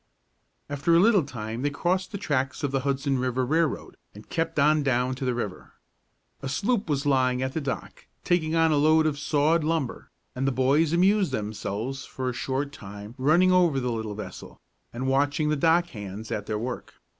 After a little time they crossed the tracks of the Hudson River Railroad, and kept on down to the river. A sloop was lying at the dock, taking on a load of sawed lumber, and the boys amused themselves for a short time running over the little vessel, and watching the dock hands at their work.